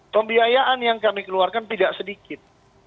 pembiayaan yang kami keluarkan tidak sedikit